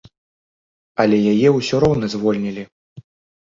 Але яе ўсё роўна звольнілі.